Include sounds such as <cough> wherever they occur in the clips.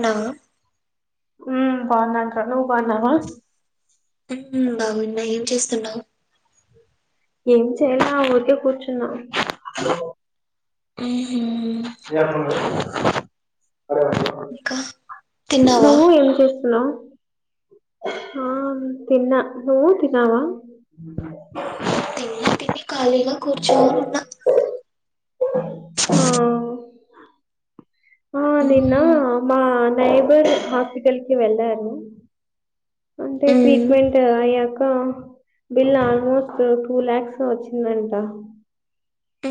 hello ఉ బాగున్నాన్ రా నువ్వు బాగున్నావ ఉహు బాగున్నా ఏం చేస్తున్నావు ఏం చేయల ఊరికే కూర్చున్నా ఊహు <inaudible> ఇంకా తిన్నావా నువ్వు ఏం చేస్తున్నావ్ హా తిన్నా నువ్వు తిన్నవ తిన్న తిని కాల్ చేసి కుర్చొ ఉన్న ఆ ఆ నిన్న మ్మ్ మా నైబర్ హాస్పిటల్కి వెళ్ళారు అంటే మ్మ్ ట్రీట్మెంట్ అయ్యాక బిల్ ఆల్మోస్ట్ టూ ల్యాక్స్ వచ్చిందంట ఉ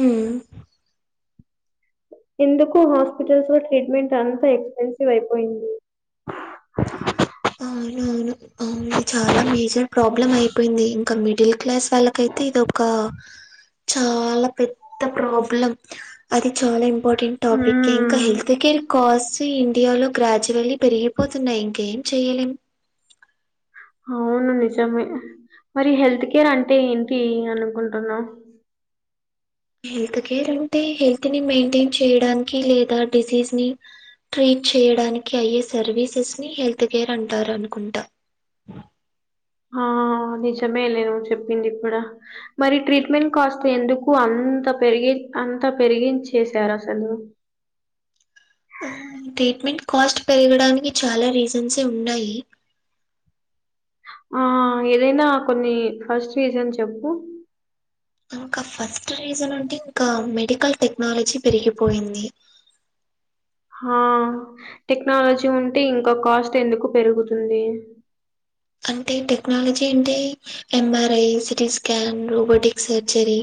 ఎందుకు హాస్పిటల్స్ లో ట్రీట్మెంట్ అంత ఎక్స్పెన్సివ్ అయిపోయింది అవునవును ఆ చాలా మేజర్ ప్రాబ్లం అయిపోయింది ఇంక మిడిల్ క్లాస్ వాళ్ళకైతే ఇదొక చాల పెద్ద ప్రాబ్లం అది చాల ఇంపార్టెంట్ టాపికే ఇంక హెల్త్ ఉమ్ కేర్ కాస్ట్ ఇండియాలో గ్రాడ్యువల్లి పెరిగిపోతున్నాయి ఇంకెం చెయ్యలేం అవును నిజమే మరి హెల్త్ కేర్ అంటే ఏంటి అనుకుంటున్నావ్ హెల్త్ కేర్ అంటే హెల్త్ ని మెయింటెన్ చేయడానికి లేదా డిసీజ్ ని ట్రీట్ చేయడానికి అయ్యే సర్వీసెస్ని హెల్త్ కేర్ అంటారు అనుకుంట ఆ నిజమేలే నువ్వు చెప్పింది కుడ మరి ట్రీట్మెంట్ కాస్ట్ ఎందుకు అంత పెరిగి అంత పెరిగించేసారు అసలు ట్రీట్మెంట్ కాస్ట్ పెరగడానికి చాలా రిజెన్సె ఉన్నాయి ఆ ఏదైన కొన్ని ఫస్ట్ రీజన్ చెప్పు ఇంకా ఫస్ట్ రీజన్ అంటే ఇంకా మెడికల్ టెక్నాలజీ పెరిగిపోయింది హా టెక్నాలజీ ఉంటే ఇంకా కాస్ట్ ఎందుకు పెరుగుతుంది అంటే టెక్నాలజీ అంటే M R I CT scan robotic surgery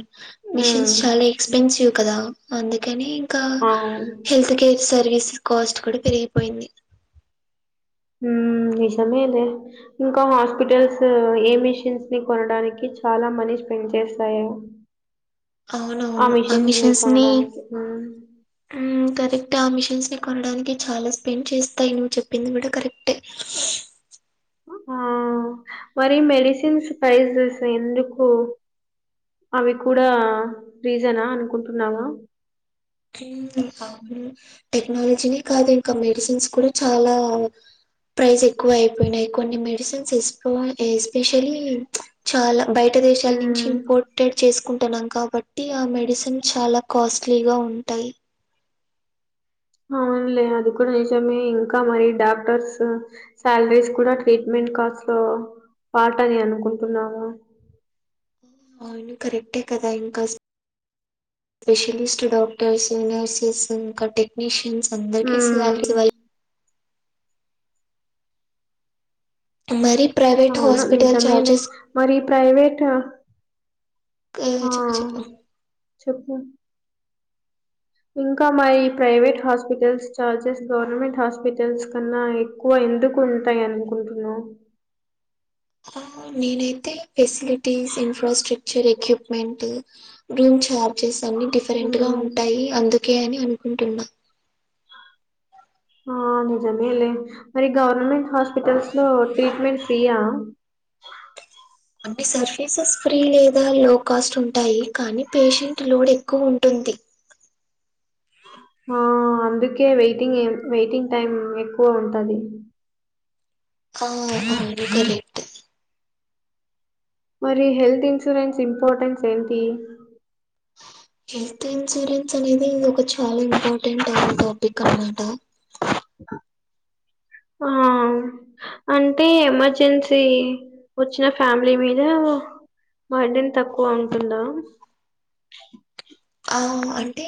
um machines చాలా ఎక్స్పెన్సివ్ కదా అందుకని ఇంకా అవును హెల్త్ కేర్ సర్వీసెస్ కాస్ట్ కూడ పెరిగిపోయింది హు నిజమేలే ఇంకా హాస్పిటల్స్ ఏ మిషిన్స్ ని కొనడానికి చాలా మనీ స్పెండ్ చేస్తాయి ఆ మిషన్స్ ని కోనడానికి కరెక్ట్ ఆ మిషన్స్ ని కొనడానికి చాలా స్పెండ్ చేస్తారు నువ్వు చెప్పింది కూడా కరెక్ట్ ఉహు మరి మెడిసిన్స్ ప్రైసెస్ ఎందుకు అవి కూడా రీజనా అనుకుంటున్నావ అవును టెక్నాలజీని కాదక్క ఇంకా మెడిసిన్స్ కూడా చాలా ప్రైస్ ఎక్కువ అయిపోయినాయి కొన్ని మెడిసిన్స్ ఎస్ ఎస్పెషియల్లీ చాల బయట దేశాల నుంచి మ్మ్ ఇంపోర్టెడ్ చేసుకుంటున్నాం కాబట్టి ఆ మెడిసిన్ చాలా కాస్ట్లీగా ఉంటాయి అవునులే అది కూడా నిజమే ఇంకా మరి డాక్టర్స్ సాలరీస్ కూడా ట్రీట్మెంట్ కాస్ట్ లో పాటయి అనుకుంటున్నాను అవును కరెక్టే కదా ఇంకాస్ స్పెషలిస్ట్ డాక్టర్స్ నర్సెస్ ఇంకా టెక్నీషియన్స్ అందరికి మ్మ్ సాలీరి ఇవ్వాలి మరి ప్రైవేట్ అవును హాస్పిటల్ నిజమేలే ఛార్జెస్ మరి ప్రైవేట్ ఆ చెప్పు చెప్పు చెప్పు ఇంకా మరి private hospitals charges government hospitals కన్నా ఎక్ ఎక్కువ ఎందుకు ఉంటాయి అనుకుంటనవు నేనైతే facilities infrastructure equipment room charges అన్ని డిఫరెంట్ గా మ్మ్ ఉంటాయి అందుకే అని అనుకుంటున్నా ఆ నిజమే లే మరి గవర్నమెంట్ హాస్పిటల్స్ లో ట్రీట్మెంట్ ఫ్రీయా ఆంటె సర్వీసెస్ ఫ్రీ లేదా లో కాస్ట్ ఉంటాయి కానీ పేషెంట్ లోడ్ ఎక్కువ ఉంటుంది ఆ అందుకే వెయిటింగ్ వెయిటింగ్ టైం ఎక్కువ వుంటది ఆ అందుకనే మరి హెల్త్ ఇన్సూరెన్స్ ఇంపార్టెన్స్ ఏంటి హెల్త్ ఇన్సూరెన్స్ అనేది ఇది ఒక చాలా ఇంపార్టెంట్ అయిన టాపిక్ అనమాట ఆ అంటే ఎమర్జెన్సీ వచ్చిన ఫ్యామిలీ మీద బర్డేన్ తక్కువ ఉంటుందా ఆ అంటే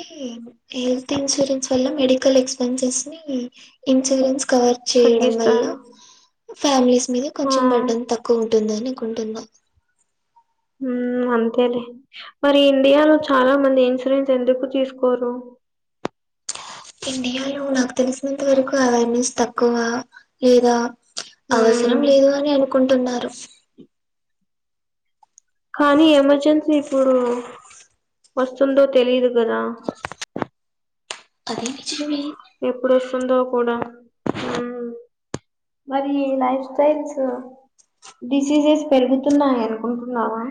హెల్త్ ఇన్సూరెన్స్ వల్ల మెడికల్ ఎక్స్పెన్సెస్ ని ఇన్సూరెన్స్ కవర్ చేయడం వల్ల తగ్గిస్తారు ఫ్యామిలీస్ మీద ఆ కొంచెం బడ్డన్ తక్కువ ఉంటుంది అని అనుకుంటున్నా హు అంతేలే మరి ఇండియాలో చాలా మంది ఇన్సూరెన్స్ ఎందుకు తీసుకోరు ఇండియాలో నాకు తెలిసినంత వరకు అవేర్నెస్ తక్కువ లేదా అవసరం హ్మ్ లేదు అని అనుకుంటున్నారు కానీ ఎమర్జెన్సీ ఇప్పుడు వస్తుందో తెలిదు కదా అధి నిజమే ఎప్పుడస్తుందో కూడా మరి లైఫ్ స్టైల్సు డిసీజెస్ పెరుగుతున్నాయి అనుకుంటున్నావా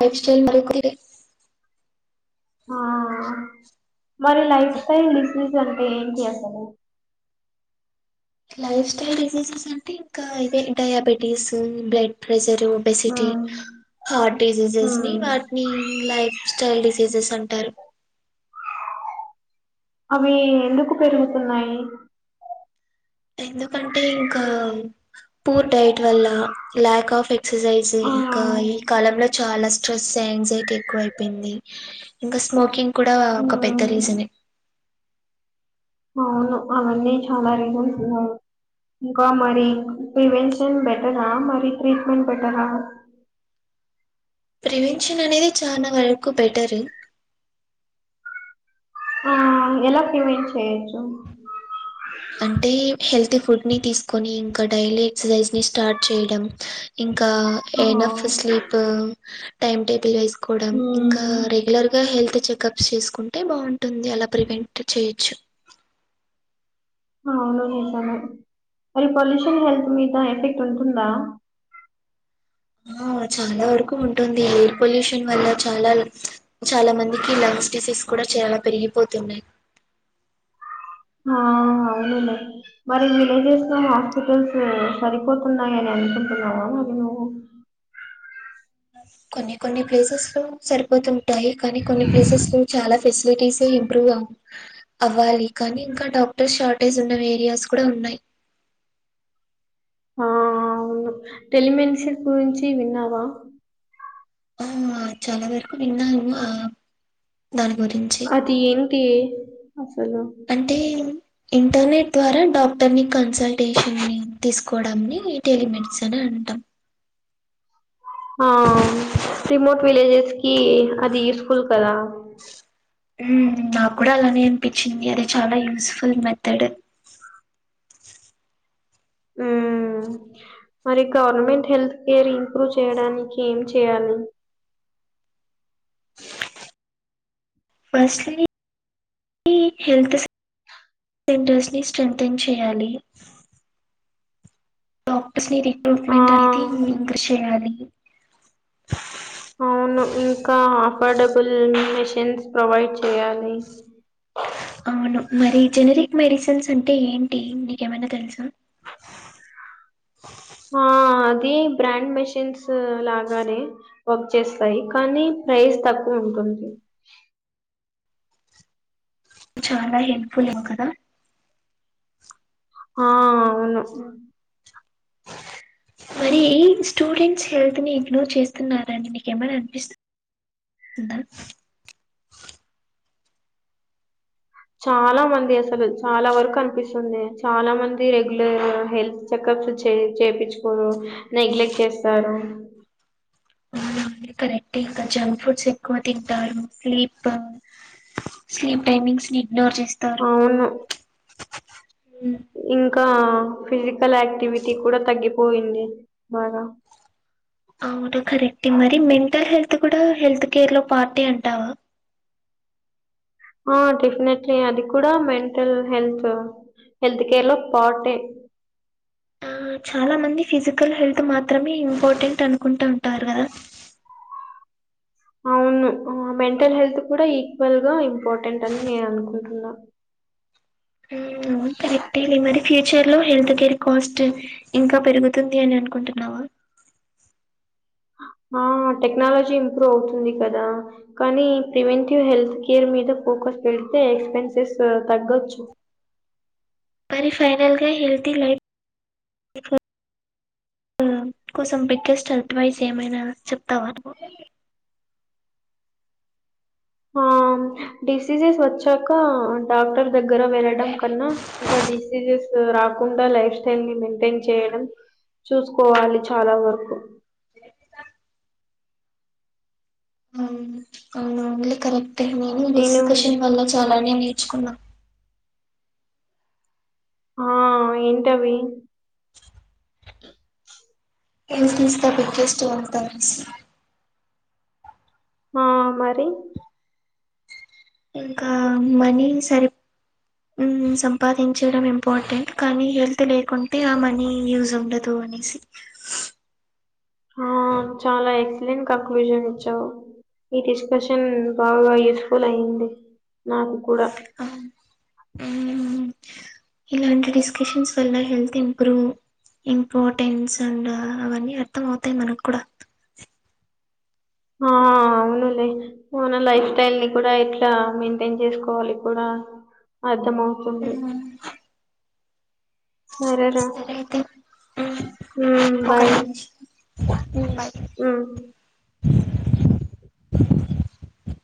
లైఫ్ స్టైల్ మరొకరిది ఆ మరి లైఫ్ స్టైల్ డిసీజ్ అంటే ఏంటి అసలు లైఫ్ స్టైల్ డిసీజెస్ అంటే ఇంకా ఇవే డయాబెటీసు బ్లడ్ ప్రెషరు ఒబెసిటీ, హ్మ్ హార్ట్ డిసీజెస్ ని హ్మ్ వాటిని లైఫ్ స్టైల్ డిసీజెస్ అంటారు అవి ఎందుకు పెరుగుతున్నాయి ఎందుకంటే ఇంకా పూర్ డైట్ వల్ల ల్యాక్ ఆఫ్ ఎక్సర్సైజ్ ఆ ఇంకా ఈ కాలంలో చాలా స్ స్ట్రెస్ యాంగ్జైటీ ఎక్కువయిపోయింది ఇంక స్మోకింగ్ కూడా ఒక పెద్ద హ్మ్ రీజనే అవును అవన్నీ చాలా రీజన్ ఉన్నా ఇంకా మరి ప్రివెన్షన్ బెటరా మరి ట్రీట్మెంట్ బెటరా ప్రివెన్షన్ అనేది చానా వరకు బెటరు ఆ ఎలా క్యూర్ చేయొచ్చు అంటే హెల్తీ ఫుడ్ ని తీసుకొని ఇంక డైలీ ఎక్సర్సైజ్ ని స్టార్ట్ చేయడం ఇంకా ఆ ఎన్ఫ్ స్లీపు టైమ్ టేబుల్ వేస్ కొడం ఇంకా మ్మ్ రెగ్యులర్గా హెల్త్ చెకప్ చేసుకుంటే బాగుంటుంది అలా ప్రివెంట్ చేయొచ్చు అవును నిజమే మరి పొల్యూషన్ హెల్త్ మీద ఎఫెక్ట్ ఉంటుందా ఆ చాలా వరకు ఉంటుంది ఎయిర్ పొల్యూషన్ వల్ల చాలా చాలా మందికి లంగ్స్ డిసీజ్ కూడా చాలా పెరిగిపోతున్నాయి ఆ అవును నిజమే మరి విలేజెస్లో హాస్పిటల్స్ సరిపోతున్నాయి అని అనుకుంటున్నావా మరి నువ్వు కొన్ని కొన్ని ప్లేసెస్లో సరిపోతుంటాయి కానీ కొన్ని ప్లేసెస్లో చాలా ఫెసిలిటీస్ ఇంప్రూవ్ అవ్వాలి కానీ ఇంకా డాక్టర్ షార్టేజ్ ఉన్న ఏరియాస్ కూడా ఉన్నాయి ఆ అవును టెలిమెడిసిన్ గురించి విన్నావా ఆ అమ్మ చాలా వరుకు విన్నాను ఆ దాని గురిం అది ఏంటి అసలు టే ఇంటర్నెట్ ద్వారా డాక్టర్ని కన్సల్టేషన్ని తీసుకోవడంని టెలిమెడిసిన్ అని అంటాం ఆ అవునా రిమోట్ విలేజెస్కి అది యూస్ఫుల్ కదా మ్ నాకూడా అలానే అనిపించింది అది చాలా యూస్ఫుల్ మెథడు ఉమ్ మరి గవర్నమెంట్ హెల్త్ కేర్ ఇంప్రూవ్ చేయడానికి ఏం చేయాలి ఫస్ట్లీ హెల్త్ సెంటర్స్ ని స్త్రెంథెన్ చేయాలి డాక్టర్స్ ని ఆ రిక్రూట్మెంట్ అనేది ఇంక్రిస్ చేయాలి అవును ఇంకా అఫర్డబుల్ మెషిన్స్ ప్రొవైడ్ చేయాలి అవును మరి జనరిక్ మెడిసిన్స్ అంటే ఏంటి నీకు ఏమైనా తెలుసా ఆ అది బ్రాండ్ మెషిన్స్ లాగానే వర్క్ చేస్తాయి కానీ ప్రైజ్ తక్కువుంటుంది చాలా హెల్ప్ఫుల్ ఏమో కదా ఆ అవును మరి స్టూడెంట్స్ హెల్త్ ని ఇగ్నోర్ చేస్తున్నారని మీకేమైనా అనిపిస్తుం దా చాలా మంది అసలు చాలా వరకు అనిపిస్తుంది చాలా మంది రెగ్యులర్ హెల్త్ చెకప్స్ చే చేపిచ్చుకోరు నెగ్లెక్ట్ చేస్తారు అది కరెక్టే ఇంక జంక్ ఫుడ్స్ ఎక్కువ తింటారు స్లీప్ స్లీప్ టైమింగ్స్ ని ఇగ్నోర్ చేస్తారు అవును ఇంకా ఫిజికల్ యాక్టివిటీ కూడా తగ్గిపోయింది బాగా అవును కరెక్ట్ మరి మెంటల్ హెల్త్ కూడా హెల్త్ కేర్ లో పార్టే అంటావా ఆ డెఫినెట్లీ అది కూడా మెంటల్ హెల్త్ హెల్త్ కేర్ లో పార్టే ఆ చాలా మంది ఫిజికల్ హెల్త్ మాత్రమే ఇంపార్టెంట్ అనుకుంటు ఉంటారు కదా అవును మెంటల్ హెల్త్ కూడా ఈక్వల్ గా ఇంపార్టెంట్ అని నేను అనుకుంటున్నా ఉమ్ అవును కరెక్టే లే మరి ఫ్యూచర్ లో హెల్త్ కేర్ కాస్ట్ ఇంకా పెరుగుతుంది అని అనుకుంటున్నావా ఆ టెక్నాలజీ ఇంప్రూవ్ అవుతుంది కదా కానీ ప్రివెంటివ్ హెల్త్ కేర్ మీద ఫోకస్ పెడితే ఎక్స్పెన్సెస్ తగ్గచ్చు మరి ఫైనల్గా హెల్తీ లై <unintelligible> ఊ కోసం బిగ్గెస్ట్ అడ్వైజ్ ఏమైనా చెప్తావా నువ్వు ఆ డిసీసెస్ వచ్చాక డాక్టర్ దగ్గర వెళ్ళడం కన్నా ఇంకా డిసీజెస్ రాకుండా లైఫ్ స్టైల్ ని మెయింటైన్ చేయడంలో చూసుకోవాలి చాలా వరకూ <inaudible> కరెక్టే నేను ఈ డిస్కషన్ వల్ల చాలానే నేర్చుకున్నా ఆ ఏంటవి health is the biggest wealth అనేసి ఆ మరి ఇంకా మనీ సరి ఉమ్ సంపాదించడం ఇంపార్టెంట్ కానీ హెల్త్ లేకుంటే ఆ మనీ యూజ్ ఉండ తు అనేసి ఆ చాలా ఎక్సలెంట్ కంక్లూజన్ ఇచ్చావు ఈ డిస్కషన్ బాగా యూస్ఫుల్ అయ్యింది నాకు కూడా అ <inaudible> ఇలాంటి డిస్కషన్స్ వల్ల హెల్త్ ఇంప్రూవ్ ఇంపార్టెన్స్ అండ్ అవన్నీ అర్థం అవుతాయి మనకు కూడా ఆ అవునులే మన లైఫ్ స్టైల్ ని కూడా ఎట్లా మెయింటైన్ చేసుకోవాలి కూడా అర్థం అవుతుంది సరే రా ఒక నిమ్ష ఉమ్ బాయ్ ఉమ్